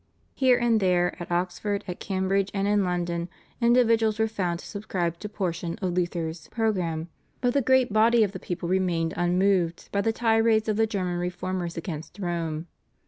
Here and there, at Oxford, at Cambridge, and in London, individuals were found to subscribe to portion of Luther's programme; but the great body of the people remained unmoved by the tirades of the German reformers against Rome.